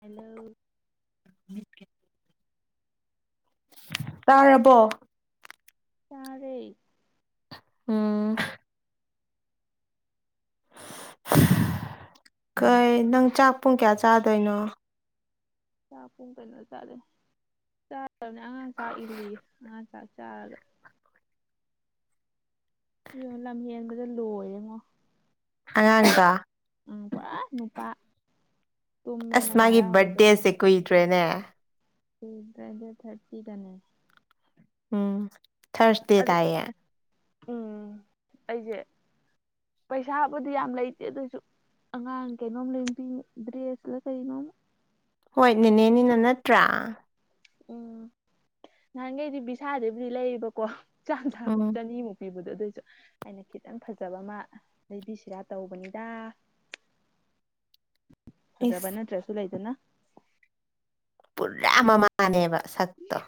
hello [unintelligible] ꯇꯥꯔꯕꯣ ꯇꯥꯔꯦ ꯎꯝ ꯀꯩ ꯅꯪ ꯆꯥꯛ ꯄꯨꯡ ꯀꯌꯥ ꯆꯥꯗꯣꯏꯅꯣ ꯆꯥꯛ ꯄꯨꯡ ꯀꯩꯅꯣ ꯇꯥꯔꯦ [inaudible] ꯑꯉꯥꯡ ꯆꯥꯛ ꯏꯜꯂꯤꯌꯦ ꯑꯉꯥꯡ ꯆꯥꯛ ꯆꯥꯔꯒ ꯌꯣ ꯂꯝ ꯍꯦꯟꯕꯗ ꯂꯣꯏꯔꯦꯉꯣ ꯑꯉꯥꯡꯗꯣ ꯎꯝ ꯄꯨꯔꯥ ꯅꯨꯄꯥ ꯑꯁ ꯇꯨꯝꯃꯦꯅꯒ ꯃꯥꯒꯤ ꯍꯔꯥꯎꯔꯨꯕ ꯕꯔꯠꯗꯦꯁꯦ ꯀꯨꯏꯗ꯭ꯔꯦꯅꯦ ꯀꯨꯏꯗ꯭ꯔꯦ ꯗꯦꯠ ꯊꯥꯔꯇꯤꯗꯅꯦ ꯎꯝ ꯊꯥꯔꯁꯗꯦ ꯑꯗꯨ ꯇꯥꯏꯌꯦ ꯎꯝ ꯑꯩꯖꯦ ꯄꯩꯁꯥꯕꯨꯗꯤ ꯌꯥꯝ ꯂꯩꯇꯦ ꯑꯗꯨꯏꯑꯣꯏꯁꯨ ꯑꯉꯥꯡ ꯀꯩꯅꯣꯝ ꯂꯦꯡꯕꯤ ꯗ꯭ꯔꯦꯁ ꯂꯥ ꯀꯩꯅꯣꯝꯃꯥ ꯍꯣꯏ ꯅꯦꯅꯦꯅꯤꯅ ꯅꯠꯇ꯭ꯔꯥ ꯎꯝ ꯅꯍꯥꯟꯒꯩꯗꯤ ꯕꯤꯁꯥꯗꯩꯕꯨꯗꯤ ꯂꯩꯌꯦꯕꯀꯣꯥ ꯆꯥꯃ ꯆꯥꯃꯃꯥ ꯎꯝ ꯆꯅꯤꯃꯨꯛ ꯄꯤꯕꯗꯣ ꯑꯗꯨꯑꯣꯏꯖꯨ ꯑꯩꯅ ꯈꯤꯇꯪ ꯐꯖꯕ ꯑꯃ ꯂꯩꯕꯤꯁꯤꯔꯥ ꯇꯧꯕꯅꯤꯗ ꯐꯖꯥꯕ ꯏꯁ ꯅꯠꯇ꯭ꯔꯁꯨ ꯂꯩꯗꯅ ꯄꯨꯔꯥ ꯃꯃꯥꯅꯦꯕ ꯁꯛꯇꯣ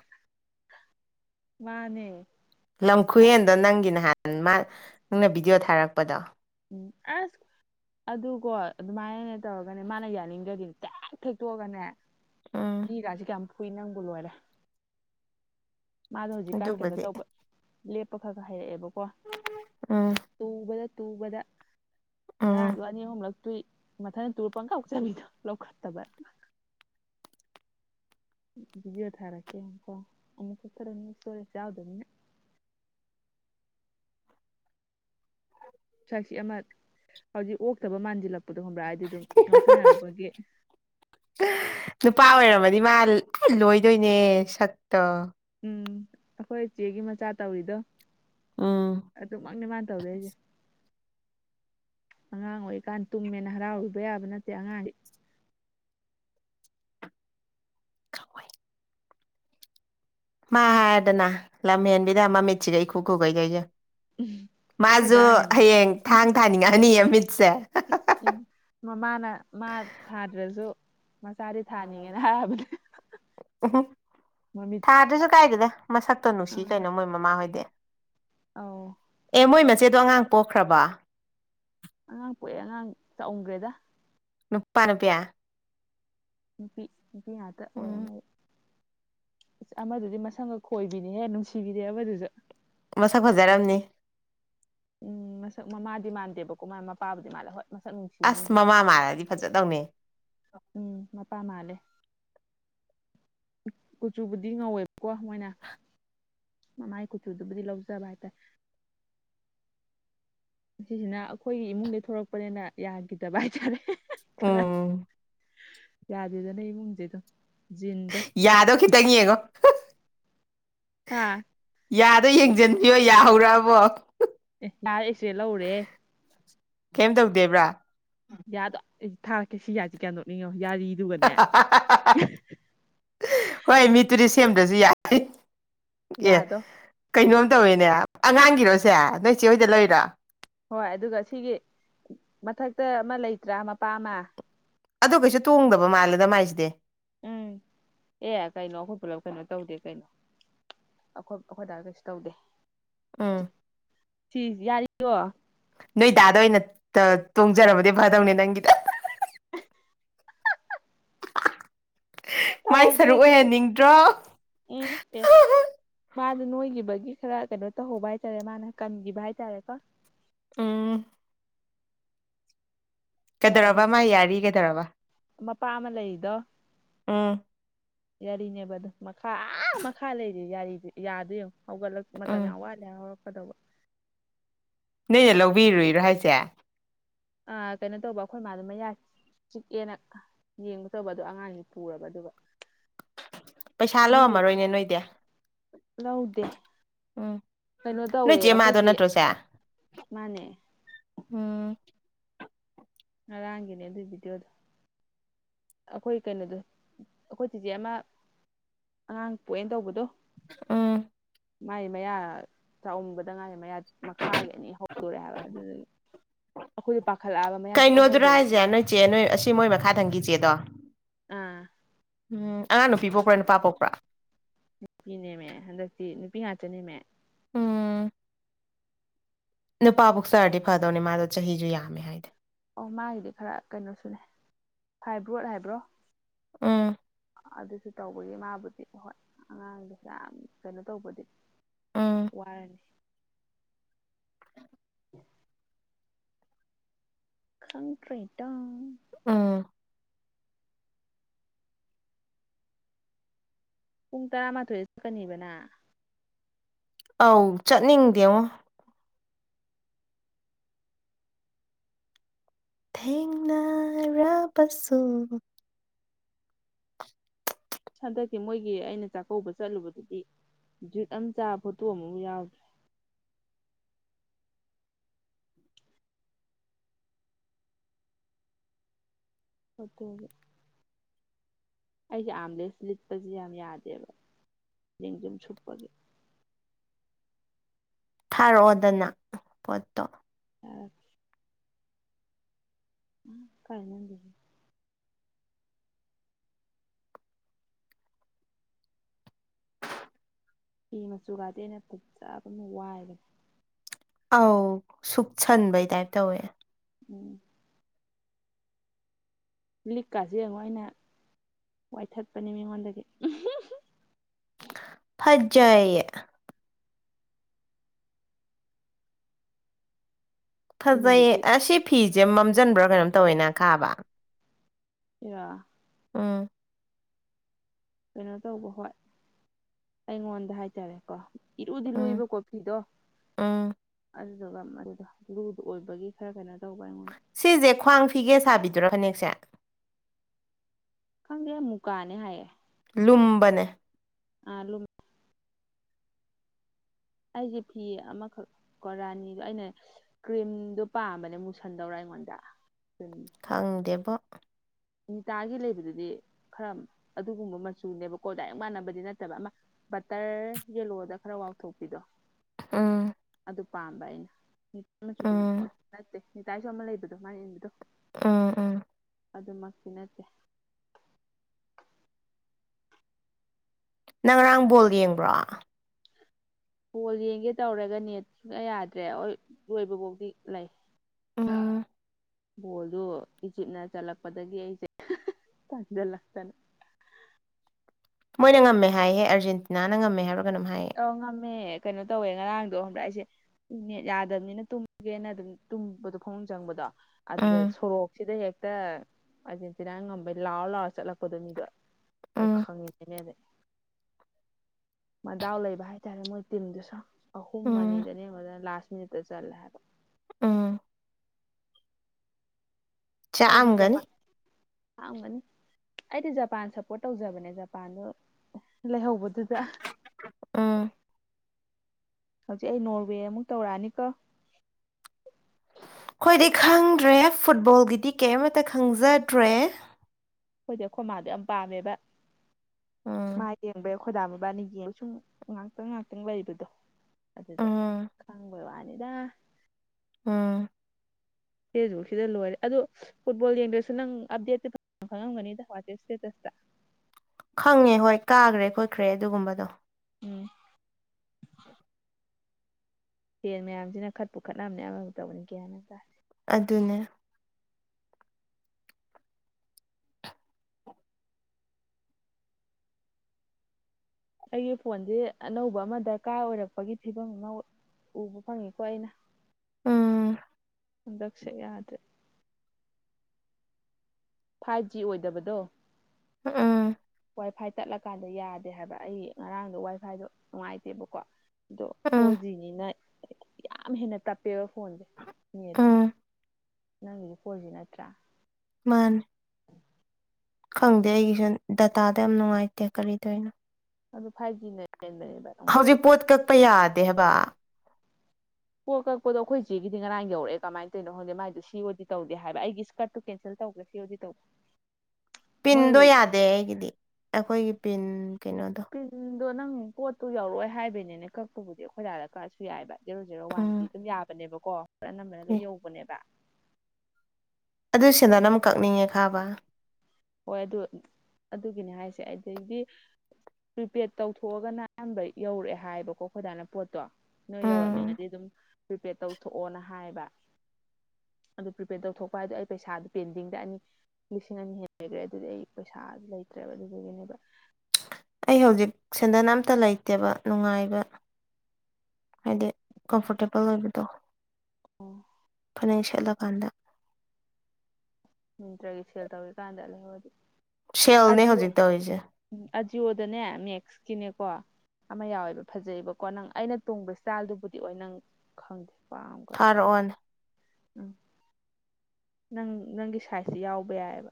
ꯃꯥꯅꯦ ꯂꯝ ꯊꯥꯔꯦ ꯈꯨꯌꯦꯟꯗꯣ ꯅꯪꯒꯤ ꯅꯍꯥꯟ ꯃꯥ ꯅꯪꯅ ꯚꯤꯗꯤꯑꯣ ꯊꯥꯔꯛꯄꯗꯣ ꯎꯝ ꯑꯁ ꯑꯗꯨꯒꯣ ꯑꯗꯨꯃꯥꯏꯅ ꯇꯧꯔꯒꯅꯦ ꯃꯥꯅ ꯌꯥꯅꯤꯡꯗ꯭ꯔꯗꯤ ꯇꯦꯛ ꯊꯦꯛꯇꯣꯛꯑꯒꯅꯦ ꯎꯝ ꯃꯤꯒꯥꯖꯦ ꯀꯌꯥꯝ ꯐꯨꯏ ꯅꯪꯕꯨ ꯂꯣꯏꯔꯦ ꯃꯥꯗꯣ ꯍꯧꯖꯤꯛꯀꯥꯟ ꯀꯩꯅꯣ ꯑꯗꯨꯕꯨꯗꯤ ꯇꯧꯕ ꯂꯦꯞꯄ ꯈꯥꯒꯥ ꯍꯥꯏꯔꯛꯑꯦꯕꯀꯣ ꯎꯝ ꯇꯨꯕꯗꯥ ꯇꯨꯕꯗꯥ ꯎꯝ ꯉꯔꯥꯡꯗꯨ ꯑꯅꯤ ꯑꯍꯨꯝꯂꯛ ꯇꯨꯏ ꯃꯊꯟꯗ ꯇꯨꯔꯒ ꯄꯪꯀꯞꯆꯥꯕꯤꯗꯣ ꯂꯧꯈꯠꯇꯕ ꯕꯤꯕꯤꯑꯣ ꯊꯥꯔꯛꯀꯦ ꯀꯣ [inaudible] [inaudible] ꯌꯥꯎꯗꯅꯤꯅ ꯁꯛꯁꯤ ꯑꯃ ꯍꯧꯖꯤꯛ ꯑꯣꯛꯇꯕ ꯃꯥꯟꯖꯤꯜꯂꯛꯄꯗꯣ ꯈꯪꯕ꯭ꯔꯥ ꯍꯥꯏꯗꯤ ꯑꯗꯨꯝ ꯉꯥꯎꯁꯟꯅꯔꯛꯄꯒꯤ ꯅꯨꯄꯥ ꯑꯣꯏꯔꯝꯃꯗꯤ ꯃꯥ ꯂꯣꯏꯗꯣꯏꯅꯦ ꯁꯛꯇꯣ ꯎꯝ ꯑꯩꯈꯣꯏ ꯏꯆꯦꯒꯤ ꯃꯆꯥ ꯇꯧꯔꯤꯗꯣ ꯎꯝ ꯑꯗꯨꯃꯛꯅꯦ ꯃꯥꯅ ꯇꯧꯗꯣꯢ ꯁꯦ ꯑꯉꯥꯡ ꯑꯣꯏꯔꯤꯀꯥꯟ ꯇꯨꯝꯃꯦꯅ ꯍꯔꯥꯎꯔꯨꯕ ꯌꯥꯕ ꯅꯠꯇꯦ ꯑꯉꯥꯡꯗꯤ ꯃꯥ ꯍꯥꯏꯔꯗꯅ ꯂꯝꯍꯦꯟꯕꯤꯗ ꯃꯥꯃꯠꯁꯤꯗ ꯢꯈꯨ ꯈꯨꯒꯩ [unintelligible] ꯃꯥꯖꯨ ꯑꯩꯈꯣꯏꯗꯥꯅꯅꯦ ꯍꯌꯦꯡ ꯊꯥꯡ ꯊꯥꯅꯤꯡꯉꯑꯅꯤꯌꯦ ꯃꯤꯠꯁꯦ ꯎꯝ ꯃꯃꯥꯅ ꯃꯥ ꯊꯥꯗ꯭ꯔꯁꯨ ꯃꯆꯥꯗꯤ ꯊꯥꯅꯤꯡꯉꯦꯅ ꯍꯥꯏꯕꯅꯤ ꯊꯥꯗꯔꯥꯖꯨ ꯀꯥꯏꯗꯦꯗ ꯃꯁꯛꯇꯣ ꯅꯨꯡꯁꯤ ꯀꯩꯅꯣ ꯃꯣꯏ ꯃꯃꯥ ꯍꯣꯏꯗꯤ ꯑꯥꯎ ꯑꯦ ꯃꯣꯏ ꯃꯆꯦꯗꯣ ꯑꯉꯥꯡ ꯄꯣꯛꯈ꯭ꯔꯕ ꯑꯉꯥꯡ ꯄꯣꯛꯑꯦ ꯑꯉꯥꯡ ꯆꯥꯑꯨꯝꯒ꯭ꯔꯦꯗ ꯅꯨꯄꯥ ꯅꯨꯄꯤ ꯅꯨꯄꯤ ꯅꯨꯄꯤ ꯉꯥꯛꯇ ꯎꯝ ꯑꯣꯏꯔꯃꯦ ꯑꯃꯗꯨꯗꯤ ꯃꯁꯝꯒ ꯈꯣꯏꯕꯤꯅꯤꯍꯦ ꯅꯨꯡꯁꯤꯕꯤꯅꯦ ꯑꯃꯗꯨꯁꯨ ꯃꯁꯛ ꯐꯖꯔꯝꯅꯤ ꯎꯝ ꯃꯁꯛ ꯃꯃꯥꯗꯤ ꯃꯥꯟꯗꯦꯕꯀꯣ ꯃꯄꯥꯕꯨꯗꯤ ꯃꯥꯜꯂꯦ ꯍꯣꯏ ꯃꯁꯛ ꯑꯁ ꯃꯣꯏꯁꯨ ꯃꯃꯥ ꯃꯥꯜꯂꯗꯤ ꯐꯖꯗꯧꯅꯦ ꯎꯝ ꯃꯄꯥ ꯃꯥꯜꯂꯦ ꯀꯨꯆꯨꯕꯨꯗꯤ ꯉꯧꯋꯦꯕꯀꯣ ꯃꯣꯏꯅ ꯃꯃꯥꯏ ꯀꯨꯆꯨꯗꯨꯕꯨꯗꯤ ꯂꯧꯖꯕ ꯍꯥꯏꯇꯥꯔꯦ ꯁꯤꯁꯤꯅ ꯑꯩꯈꯣꯏꯒꯤ ꯏꯃꯨꯡꯗꯒꯤ ꯊꯣꯛꯔꯛꯄꯅꯤꯅ ꯌꯥꯈꯤꯗꯕ ꯍꯥꯏꯇꯥꯔꯦ ꯎꯝ [inaudible] ꯌꯥꯗꯦꯗꯅ ꯏꯃꯨꯡꯁꯦ ꯑꯗꯨꯝ ꯖꯤꯟꯗꯣ ꯌꯥꯗꯣ ꯈꯤꯇꯪ ꯌꯦꯉꯣ [inaudible] ꯍꯥꯥ ꯌꯥꯗꯣꯏ ꯌꯦꯡꯖꯟꯕꯤꯌꯣ ꯌꯥꯍꯧꯔꯛꯕꯣ ꯑꯦ ꯂ ꯑꯩꯁꯦ ꯂꯧꯔꯦ ꯀꯩꯝ ꯇꯧꯗꯦꯕ꯭ꯔꯥ ꯌꯥꯗꯣ ꯑꯩ ꯊꯥꯔꯛꯀꯦ ꯁꯤ ꯌꯥꯁꯤ ꯀꯌꯥ ꯅꯣꯛꯅꯤꯡꯉꯣ ꯌꯥꯔꯤꯗꯨꯒꯅꯦ ꯍꯣꯏ ꯃꯤꯠꯇꯨꯗꯤ ꯁꯦꯝꯗ꯭ꯔꯁꯨ ꯌꯥꯏ ꯑꯦ ꯌꯥꯗꯣ ꯀꯩꯅꯣꯝ ꯇꯧꯋꯤꯅꯦ ꯑꯉꯥꯡꯒꯤꯔꯣꯁꯦ ꯅꯣꯏ ꯏꯆꯦ ꯍꯣꯏꯗ ꯂꯩꯣꯏꯔꯣ ꯍꯣꯏ ꯑꯗꯨꯒ ꯁꯤꯒꯤ ꯃꯊꯛꯇ ꯑꯃ ꯂꯩꯇ꯭ꯔꯥ ꯃꯄꯥ ꯑꯃ ꯑꯗꯨ ꯀꯩꯁꯨ ꯇꯣꯡꯗꯕ ꯃꯥꯜꯂꯦꯗ ꯃꯥꯏꯁꯤꯗꯤ ꯎꯝ ꯑꯦ ꯀꯩꯅꯣ ꯑꯩꯈꯣꯏ ꯄꯨꯂꯞ ꯀꯩꯅꯣ ꯇꯧꯗꯦ ꯀꯩꯅꯣ ꯈꯣꯏ ꯑꯩꯈꯣꯏ ꯇꯥꯔ ꯀꯩꯁꯨ ꯇꯧꯗꯦ ꯑꯥ ꯁꯤ ꯌꯥꯔꯤꯔꯣ ꯅꯣꯏ ꯇꯗꯥꯗ ꯑꯣꯏꯅ ꯇꯣꯡꯖꯔꯕꯗꯤ ꯐꯗꯧꯅꯦ ꯅꯪꯒꯤꯗ ꯃꯥꯏ ꯇꯧꯍꯧꯗ꯭ꯔꯦ ꯁꯔꯨꯛ ꯑꯗꯨꯁꯨ ꯑꯣꯏꯍꯟꯅꯤꯡꯗ꯭ꯔꯣ ꯎꯝ ꯑꯦꯁ ꯃꯥꯗꯣ ꯅꯣꯏꯒꯤꯈꯤꯕꯒꯤ ꯈꯔ ꯀꯩꯅꯣ ꯇꯧꯍꯧꯕ ꯍꯥꯏꯇꯥꯔꯦ ꯃꯥꯅ ꯀꯟꯈꯤꯕ ꯍꯥꯏꯇꯥꯔꯦꯀꯣ ꯎꯝ ꯀꯩꯗꯧꯔꯕ ꯃꯥ ꯌꯥꯗꯦꯅꯦ ꯌꯥꯔꯤ ꯀꯩꯗꯧꯔꯕ ꯃꯄꯥ ꯑꯃ ꯂꯩꯗꯣ ꯎꯝ ꯌꯥꯔꯤꯅꯦꯕ ꯑꯗꯣ ꯃꯈꯥ ꯃꯈꯥ ꯂꯩꯔꯤ ꯌꯥꯔꯤ ꯌꯥꯗꯣ ꯌꯦꯡꯉꯨ ꯍꯧꯒꯠꯂꯛ ꯃꯇꯝ ꯎꯝ ꯌꯥꯝ ꯋꯥꯠꯂꯦ ꯍꯧꯔꯛꯀꯗꯧꯕ ꯅꯅꯦ ꯂꯧꯕꯤꯔꯨꯏꯔꯣ ꯍꯥꯏꯁꯦ ꯑ ꯀꯩꯅꯣ ꯇꯧꯕ ꯑꯩꯈꯣꯏ ꯃꯥ ꯑꯗꯨꯃ ꯌꯥꯦ ꯆꯤꯛꯑꯦꯅ ꯌꯦꯡꯕ ꯇꯧꯕ ꯑꯗꯣ ꯑꯉꯥꯡꯁꯤ ꯄꯨꯔꯕ ꯑꯗꯨꯒ ꯄꯩꯁꯥ ꯃꯤ ꯂꯧꯔꯝꯃꯔꯣꯏꯅꯦ ꯅꯣꯏꯗꯤ ꯂꯧꯗꯦ ꯎꯝ ꯀꯩꯅꯣ ꯇꯧꯋꯦ ꯅꯣꯏ ꯆꯦ ꯃꯥꯗꯣ ꯑꯩꯈꯣꯏꯁꯦ ꯅꯠꯇ꯭ꯔꯣ ꯁꯦ ꯃꯥꯅꯦ ꯎꯝ ꯉꯔꯥꯡꯒꯤꯅꯦ ꯑꯗꯨꯏ ꯕꯤꯗꯤꯌꯣꯗꯣ ꯑꯩꯈꯣꯏ ꯀꯩꯅꯣꯗꯣ ꯑꯩꯈꯣꯏ ꯇꯤꯆꯦ ꯑꯃ ꯑꯉꯥꯡ ꯄꯣꯛꯑꯦꯅ ꯇꯧꯕꯗꯣ ꯎꯝ ꯃꯥꯗꯤ ꯃꯌꯥ ꯆꯥꯛꯎꯕꯗ ꯉꯥꯏꯜꯂꯤ ꯃꯌꯥ ꯃꯈꯥꯒꯤ ꯑꯅꯤ ꯍꯧꯗꯣꯔꯛꯑꯦꯕ ꯑꯗꯨꯗꯒꯤ ꯑꯩꯈꯣꯏꯗ ꯄꯥꯈꯠꯛꯑꯕ ꯀꯩꯅꯣꯗꯨꯔꯥ ꯍꯥꯏꯁꯦ ꯅꯣꯏ ꯏꯆꯦ ꯅꯣꯏ ꯑꯁꯤ ꯃꯣꯏ ꯃꯈꯥꯗꯪꯒꯤꯆꯦꯗꯣ ꯑꯥ ꯎꯝ ꯑꯉꯥꯡ ꯅꯨꯄꯤ ꯄꯣꯛꯄꯥ ꯅꯨꯄꯥ ꯄꯣꯛꯄ꯭ꯔꯥ ꯅꯨꯄꯤꯅꯦꯃꯦ ꯍꯟꯗꯛꯇꯤ ꯅꯨꯄꯤ ꯉꯥꯛꯇꯅꯦꯃꯦ ꯎꯝ ꯅꯨꯄꯥ ꯄꯣꯛꯆꯔꯗꯤ ꯐꯗꯧꯅꯦ ꯃꯥꯗꯣ ꯆꯍꯤꯁꯨ ꯌꯥꯝꯃꯦ ꯍꯥꯏꯗꯣ ꯑꯣ ꯃꯥꯒꯤꯗꯤ ꯈꯔ ꯀꯩꯅꯣꯁꯨꯅꯦ ꯐꯥꯏꯕ꯭ꯔꯣꯠ ꯍꯥꯏꯕ꯭ꯔꯣ ꯎꯝ ꯑꯗꯨꯁꯨ ꯇꯧꯕꯒꯤ ꯃꯥꯕꯨꯗꯤ ꯍꯣꯏ ꯑꯉꯥꯡꯗꯨꯁꯨ ꯌꯥꯝ ꯀꯩꯅꯣ ꯇꯧꯕꯗꯤ ꯎꯝ ꯋꯥꯔꯗꯤ ꯑꯣ [inaudible] ꯈꯪꯇ꯭ꯔꯦꯇ ꯑꯣ ꯄꯨꯡ ꯇꯔꯥ ꯃꯥꯥꯊꯣꯏꯗ ꯆꯠꯀꯅꯤꯕ ꯅꯪ ꯑꯧ ꯆꯠꯅꯤꯡꯗꯦꯉꯣ ꯊꯦꯡꯅꯔꯕꯁꯨ ꯍꯟꯗꯛꯀꯤ ꯃꯣꯏꯒꯤ ꯑꯩꯅ ꯆꯥꯛꯀꯧꯕ ꯆꯠꯂꯨꯕꯗꯨꯗꯤ ꯖꯨꯠ ꯑꯝ ꯆꯥꯕ ꯐꯣꯇꯣ ꯑꯝꯕꯧ ꯌꯥꯎꯗ꯭ꯔꯦ ꯑꯣꯀꯦꯒꯤ ꯑꯩꯁꯦ ꯑꯥꯝꯂꯦꯁ ꯂꯤꯠꯄꯁꯦ ꯌꯥꯝ ꯌꯥꯗꯦꯕ ꯂꯦꯡꯖꯨꯝ ꯁꯨꯞꯄꯒꯤ ꯊꯥꯔꯛꯑꯣꯗꯅ ꯐꯣꯇꯣ ꯎꯝ ꯎꯝ ꯀꯥꯏꯅꯝꯗꯣꯁꯦ ꯐꯤ ꯃꯆꯨꯒꯥꯗꯤ ꯑꯩꯅ ꯐꯖꯕ ꯑꯃ ꯋꯥꯏꯕꯅꯦ ꯑꯧ ꯁꯨꯛꯁꯟꯕꯩ ꯇꯥꯏꯞ ꯇꯧꯋꯦ ꯎꯝ ꯂꯤꯛꯀꯥꯁꯦ ꯌꯦꯡꯉꯣ ꯑꯩꯅ ꯋꯥꯏꯊꯠꯄꯅꯤ ꯃꯤꯉꯣꯟꯗꯒꯤ ꯐꯠꯖꯩꯌꯦ ꯁꯤ ꯐꯖꯩꯌꯦ ꯅꯨꯃꯤꯠꯇꯤ ꯑꯁꯤ ꯐꯤꯁꯦ ꯃꯝꯖꯟꯕ꯭ꯔꯥ ꯀꯩꯅꯣꯝ ꯇꯧꯋꯦꯅ ꯈꯥꯕ [unintelligible] ꯎꯝ ꯀꯩꯅꯣ ꯇꯧꯕ ꯍꯣꯏ ꯑꯩꯉꯣꯟꯗ ꯍꯥꯏꯇꯥꯔꯦꯀꯣ ꯏꯔꯨꯗꯤ ꯎꯝ ꯂꯨꯏꯕꯀꯣ ꯐꯤꯗꯣ ꯎꯝ ꯑꯗꯨꯗꯨꯒ [unintelligible] ꯚꯂꯨꯒ ꯑꯣꯏꯕꯒꯤ ꯈꯔ ꯀꯩꯅꯣ ꯇꯧꯕ ꯑꯩꯉꯣꯟꯗ ꯁꯤꯁꯦ ꯈ꯭ꯋꯥꯡ ꯐꯤꯒꯦ ꯁꯥꯕꯤꯗꯔꯥ ꯐꯅꯦꯛꯁꯦ ꯈꯪꯗꯦ ꯃꯨꯀꯥꯅꯦ ꯍꯥꯏꯌꯦ ꯂꯨꯝꯕꯅꯦ ꯑꯥ ꯂꯨꯝ ꯑꯩꯁꯦ ꯐꯤ ꯑꯃꯈꯛ ꯀꯣ ꯔꯥꯅꯤꯗꯣ ꯑꯩꯅ ꯀ꯭ꯔꯤꯝꯗꯣ ꯄꯥꯝꯕꯅꯦ ꯃꯨꯁꯟꯗꯧꯔꯥ ꯑꯩꯉꯣꯟꯗ ꯀ꯭ꯔꯤꯝ ꯈꯪꯗꯦꯕꯣ ꯅꯤꯇꯥꯒꯤ ꯂꯩꯕꯗꯨꯗꯤ ꯈꯔ ꯑꯗꯨꯒꯨꯝꯕ ꯃꯆꯨꯅꯦꯕꯀꯣ ꯗꯥꯏꯔꯦꯛ ꯃꯥꯟꯅꯕꯗꯤ ꯅꯠꯇꯕ ꯑꯃ ꯕꯇ꯭ꯔ ꯌꯦꯂꯣꯗ ꯈꯔ ꯋꯥꯎꯊꯣꯛꯄꯤꯗꯣ ꯎꯝ ꯑꯗꯨ ꯄꯥꯝꯕ ꯑꯩꯅ [unintelligible] ꯎꯝ ꯑꯗꯨꯝꯃꯛ ꯅꯠꯇꯦ ꯅꯤꯇꯥꯏꯁꯨ ꯑꯃ ꯂꯩꯕꯗꯣ ꯃꯥꯅ ꯏꯟꯕꯗꯣ ꯎꯝ ꯎꯝ ꯑꯗꯨꯃꯛꯇꯤ ꯅꯠꯇꯦ ꯅꯪ ꯉꯔꯥꯡ ꯕꯣꯜ ꯌꯦꯡꯕ꯭ꯔꯣ ꯕꯣꯜ ꯌꯦꯡꯒꯦ ꯇꯧꯔꯒ ꯅꯦꯠ ꯁꯨꯌꯥ ꯌꯥꯗ꯭ꯔꯦ ꯍꯣꯏ ꯂꯣꯏꯕꯕꯧꯗꯤ ꯂꯩ ꯎꯝ ꯕꯣꯜꯗꯨ ꯏꯖꯤꯞꯅ ꯆꯠꯂꯛꯄꯗꯒꯤ ꯑꯩꯁꯦ ꯇꯟꯖꯜꯂꯛꯇꯅ ꯃꯣꯏꯅ ꯉꯝꯃꯦ ꯍꯥꯏꯍꯦ ꯑꯥꯔꯖꯦꯟꯇꯤꯅꯥꯅ ꯉꯝꯃꯦ ꯍꯥꯏꯕꯔꯥ ꯀꯩꯅꯣꯝ ꯍꯥꯏ ꯑꯧ ꯉꯝꯃꯦ ꯀꯩꯅꯣ ꯇꯧꯋꯦ ꯉꯔꯥꯡꯗꯣ ꯈꯪꯕ꯭ꯔꯥ ꯑꯩꯁꯦ ꯅꯦꯠ ꯌꯥꯗꯕꯅꯤꯅ ꯇꯨꯝꯒꯦꯅ ꯑꯗꯨꯝ ꯇꯨꯝꯕꯗꯣ ꯐꯃꯨꯡ ꯆꯪꯕꯗꯣ ꯑꯗꯨꯗ ꯎꯝ ꯁꯣꯔꯣꯛꯁꯤꯗ ꯍꯦꯛꯇ ꯑꯥꯔꯖꯦꯟꯇꯤꯅꯥ ꯉꯝꯕꯩ ꯂꯥꯎꯔ ꯂꯥꯎꯔ ꯆꯠꯂꯛꯄꯗꯨꯅꯤꯗꯣ ꯑꯩ ꯎꯝ ꯈꯪꯉꯤꯅꯤꯅꯦ ꯑꯗꯨꯏ ꯃꯗꯥꯎ ꯂꯩꯕ ꯍꯥꯏꯇꯥꯔꯦ ꯃꯣꯏ ꯇꯤꯝꯗꯨꯁꯨ ꯑꯍꯨꯝ ꯎꯝ ꯑꯅꯤꯗꯅꯦ ꯌꯦꯡꯉꯣꯗꯅ ꯂꯥꯁ ꯃꯤꯅꯤꯠꯇ ꯆꯜꯂꯦ ꯍꯥꯏꯕ ꯎꯝ ꯑꯩꯗꯤ ꯆꯥꯛꯑꯝꯒꯅꯤ ꯖꯄꯥꯟ [unintelligible] ꯑꯩꯗꯤ ꯖꯄꯥꯟ ꯁꯞꯄꯣꯔꯠ ꯇꯧꯖꯕꯅꯦ ꯖꯄꯥꯟꯗꯣ ꯂꯩꯍꯧꯕꯗꯨꯗ ꯎꯝ ꯍꯧꯖꯤꯛ ꯑꯩ ꯅꯣꯔꯋꯦ ꯑꯃꯨꯛ ꯇꯧꯔꯛꯑꯅꯤꯀꯣ ꯑꯩꯈꯣꯏꯗꯤ ꯈꯪꯗ꯭ꯔꯦ ꯐꯨꯠꯕꯣꯜꯒꯤꯗꯤ ꯀꯩꯃꯇ ꯈꯪꯖꯗ꯭ꯔꯦ ꯑꯩꯈꯣꯏꯗ ꯑꯩꯈꯣꯏ ꯃꯥꯗꯣ ꯌꯥꯝ ꯄꯥꯝꯃꯦꯕ ꯎꯝ ꯃꯥ ꯌꯦꯡꯕꯩ ꯈꯣꯏꯗꯥ ꯃꯕꯥꯅꯤ ꯌꯦꯡꯉ ꯁꯨꯝ ꯉꯥꯛꯇꯪ ꯉꯥꯛꯇꯪ ꯂꯩꯗꯣ ꯑꯗꯨꯗ ꯎꯝ ꯈꯪꯕꯩ ꯋꯥꯅꯤꯗ ꯎꯝ ꯁꯤꯁꯨꯕꯨ ꯁꯤꯗ ꯂꯣꯏꯔꯦ ꯑꯗꯣ ꯐꯨꯠꯕꯣꯜ ꯌꯦꯡꯗ꯭ꯔꯁꯨ ꯅꯪ ꯑꯞꯗꯦꯠꯇꯤ ꯈꯪꯉꯝꯒꯅꯤꯗ ꯋꯥꯆꯦ ꯏꯁꯇꯦꯇꯁꯇ ꯈꯪꯉꯦ ꯍꯣꯏ ꯀꯥꯒ꯭ꯔꯦ ꯈꯣꯠꯈ꯭ꯔꯦ ꯑꯗꯨꯒꯨꯝꯕꯗꯣ ꯎꯝ ꯌꯦꯟ ꯃꯌꯥꯝꯖꯤꯅ ꯈꯠꯄꯨ ꯈꯠꯅꯕꯅꯦ ꯑꯃꯕꯨ ꯇꯧꯕꯅꯦ ꯒ꯭ꯌꯥꯟ ꯑꯝ ꯇꯥꯗ꯭ꯔꯦ ꯑꯗꯨꯅꯦ ꯑꯩꯒꯤ ꯐꯣꯟꯖꯦ ꯑꯅꯧꯕ ꯑꯃ ꯗꯔꯀꯥꯔ ꯑꯣꯏꯔꯛꯄꯒꯤ ꯐꯤꯕꯝ ꯑꯃ ꯎꯕ ꯐꯪꯉꯤꯀꯣ ꯑꯩꯅ ꯎꯝ ꯍꯟꯗꯛꯁꯦ ꯌꯥꯗꯦ ꯐꯥꯏꯚ ꯖꯤ ꯑꯣꯏꯗꯕꯗꯣ ꯎꯝ ꯋꯥꯏ ꯐꯥꯏ ꯇꯠꯂ ꯀꯥꯟꯗ ꯌꯥꯗꯦ ꯍꯥꯏꯕ ꯑꯩ ꯉꯔꯥꯡꯗꯣ ꯋꯥꯏꯐꯥꯏꯗꯣ ꯅꯨꯡꯉꯥꯏꯇꯦꯕꯀꯣ ꯑꯗꯣ ꯎꯝ ꯐꯣꯔ ꯖꯤꯅꯤꯅ ꯌꯥꯝ ꯍꯦꯟꯅ ꯇꯞꯄꯦꯕ ꯐꯣꯟꯖꯦ ꯅꯦꯠ ꯎꯝ ꯅꯪ ꯐꯣꯔꯖꯤ ꯅꯠꯇ꯭ꯔꯥ ꯃꯥꯅꯦ ꯈꯪꯗꯦ ꯑꯩꯒꯤꯁꯨ ꯗꯇꯥꯗ ꯌꯥꯝ ꯅꯨꯡꯉꯥꯏꯇꯦ ꯀꯔꯤꯇꯧꯋꯤꯅꯣ ꯑꯗꯨ ꯐꯥꯏꯚ ꯖꯤꯅ ꯍꯦꯟꯕꯅꯦꯕ ꯍꯧꯖꯤꯛ ꯅꯨꯡꯉꯥꯏꯕꯗꯣ ꯄꯣꯠ ꯀꯛꯄ ꯌꯥꯗꯦ ꯍꯥꯏꯕ ꯄꯣꯠ ꯀꯛꯄꯣꯗꯣ ꯑꯈꯣꯏ ꯆꯦꯒꯤꯗꯤ ꯉꯔꯥꯡ ꯌꯧꯔꯛꯑꯦ ꯀꯃꯥꯏ ꯇꯧꯋꯤꯅꯣ ꯈꯪꯗꯦ ꯃꯥꯏꯗꯨ ꯁꯤꯑꯣꯗꯤ ꯇꯧꯗꯦ ꯍꯥꯏꯕ ꯑꯩꯒꯤ ꯏꯁꯀꯔꯠꯇꯨ ꯁꯦꯜ ꯇꯧꯒ꯭ꯔꯦ ꯁꯤ ꯑꯣ ꯗꯤ ꯇꯧ ꯄꯤꯟꯗꯣ ꯌꯥꯗꯦ ꯑꯩꯒꯤꯗꯤ ꯑꯩꯈꯣꯏꯒꯤ ꯄꯤꯟ ꯀꯩꯅꯣꯗꯣ ꯄꯤꯟꯗꯣ ꯅꯪ ꯄꯣꯠꯇꯣ ꯌꯧꯔꯛꯑꯣꯏ ꯍꯥꯏꯕꯩꯅꯤꯅꯦ ꯀꯛꯄꯕꯨꯗꯤ ꯑꯩꯈꯣꯏꯗꯥꯗ ꯀꯛꯑꯁꯨ ꯌꯥꯏꯕ ꯖꯦꯔꯣ ꯖꯦꯔꯣ ꯎꯝ ꯋꯥꯟꯗꯤ ꯑꯗꯨꯝ ꯌꯥꯕꯅꯦꯕꯀꯣ ꯑꯅꯝꯕꯔꯒ ꯑꯦ ꯌꯧꯕꯅꯦꯕ ꯑꯗꯨ ꯁꯦꯟꯗꯅ ꯑꯃ ꯀꯛꯅꯤꯡꯉꯦ ꯈꯥꯕ ꯍꯣꯏ ꯑꯗꯨ ꯑꯗꯨꯒꯤꯅꯤ ꯍꯥꯏꯁꯦ ꯑꯗꯩꯗꯤ ꯄ꯭ꯔꯤꯄꯦꯗ ꯇꯧꯊꯣꯛꯑꯒꯅ ꯑꯍꯥꯟꯕ ꯌꯧꯔꯦ ꯍꯥꯏꯕꯀꯣ ꯑꯈꯣꯏꯗꯥꯏꯅ ꯄꯣꯠꯇꯣ ꯅꯣꯏ ꯎꯝ ꯌꯧꯔꯛꯅꯤꯡꯉꯗꯤ ꯑꯗꯨꯝ ꯄ꯭ꯔꯤꯄꯦꯗ ꯇꯧꯊꯣꯛꯑꯣꯅ ꯍꯥꯏꯕ ꯑꯗꯨ ꯄ꯭ꯔꯤꯄꯦꯗ ꯇꯧꯊꯣꯛꯄ ꯍꯥꯏꯗꯣ ꯑꯩ ꯄꯩꯁꯥꯗꯤ ꯄꯦꯟꯗꯤꯡꯗ ꯑꯅꯤ ꯂꯤꯁꯤꯡ ꯑꯅꯤ ꯍꯦꯟ ꯂꯩꯒ꯭ꯔꯦ ꯑꯗꯨꯗꯤ ꯑꯩ ꯄꯩꯁꯥ ꯂꯩꯇ꯭ꯔꯦꯕ ꯑꯗꯨꯒꯤꯅꯦꯕ ꯑꯩ ꯍꯧꯖꯤꯛ ꯁꯦꯟꯗꯟ ꯑꯝꯇ ꯂꯩꯇꯦꯕ ꯅꯨꯡꯉꯥꯏꯕ ꯍꯥꯏꯗꯤ ꯀꯝꯐꯣꯔꯇꯦꯕꯜ ꯑꯣꯏꯕꯗꯣ ꯑꯣ ꯐꯅꯦꯛ ꯁꯦꯠꯂꯀꯥꯟꯗ ꯃꯤꯟꯇ꯭ꯔꯒꯤ ꯁꯦꯜ ꯇꯧꯔꯤꯀꯥꯟꯗ ꯂꯩꯍꯧꯔꯗꯤ ꯁꯦꯜꯅꯦ ꯍꯧꯖꯤꯛ ꯇꯧꯋꯤꯖꯦ ꯎꯝ ꯑꯖꯤꯌꯣꯗꯅꯦ ꯃꯦꯛꯁꯀꯤꯅꯦꯀꯣ ꯑꯃ ꯌꯥꯎꯋꯦꯕ ꯐꯖꯩꯑꯕꯀꯣ ꯅꯪ ꯑꯩꯅ ꯇꯣꯡꯕ ꯏꯁꯇꯥꯏꯜꯗꯨꯕꯨꯗꯤ ꯑꯣꯏꯅ ꯅꯪ ꯈꯪꯗꯦ ꯄꯝ ꯀꯠꯇ꯭ꯔ ꯄꯝ ꯊꯥꯔꯛꯑꯣꯅꯦ ꯎꯝ ꯅꯪ ꯅꯪꯒꯤ ꯁꯥꯏꯖꯗꯤ ꯌꯥꯎꯕ ꯌꯥꯏꯑꯕ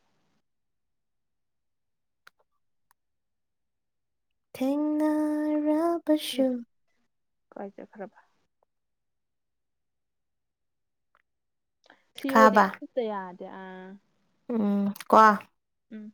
ꯊꯦꯡꯅꯔ ꯔꯁꯨ ꯀꯥꯏꯆꯠꯈ꯭ꯔꯕ ꯁꯤ ꯑꯣ ꯗꯤ ꯈꯥꯕ ꯑꯝꯇ ꯌꯥꯗꯦ ꯑꯥ ꯎꯝ ꯀꯣ ꯎꯝ